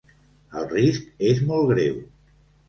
El risc és molt greu.